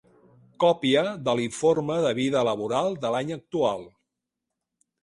Còpia de l'informe de vida laboral de l'any actual.